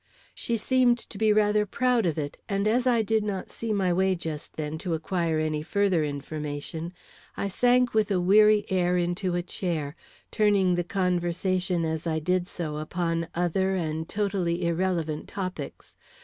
She seemed to be rather proud of it, and as I did not see my way just then to acquire any further information, I sank with a weary air into a chair, turning the conversation as I did so upon other and totally irrelevant topics.